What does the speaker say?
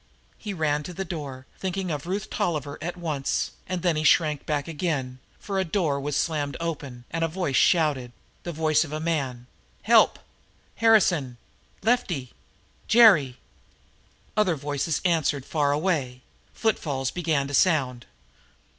He ran to the door, thinking of Ruth Tolliver at once, and then he shrank back again, for a door was slammed open, and a voice shouted the voice of a man: "Help! Harrison! Lefty! Jerry!" Other voices answered far away; footfalls began to sound.